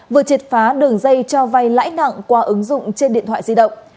vừa triệt phá đường dây cho vay lãi nặng qua ứng dụng trên điện thoại di động